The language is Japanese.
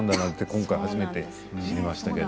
今回、初めて知りました。